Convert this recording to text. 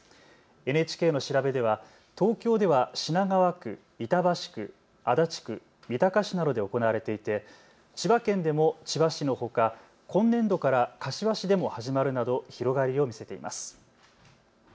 ＮＨＫの調べでは東京では品川区、板橋区、足立区、三鷹市などで行われていて千葉県でも千葉市のほか今年度から柏市でも始まるなど広がりを見せています。